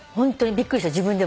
びっくりした自分でも。